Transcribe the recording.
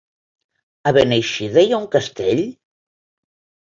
A Beneixida hi ha un castell?